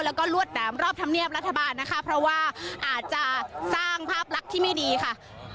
แล้วก็ลวดหนามรอบธรรมเนียบรัฐบาลนะคะเพราะว่าอาจจะสร้างภาพลักษณ์ที่ไม่ดีค่ะ